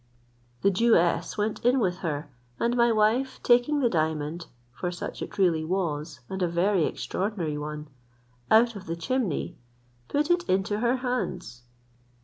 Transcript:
The Jewess went in with her, and my wife taking the diamond (for such it really was, and a very extraordinary one) out of the chimney, put it into her hands.